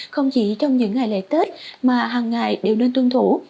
không chỉ trong những ngày lễ tết mà hằng ngày đều nên tuân thủ